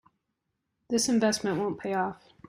This investment won't pay off.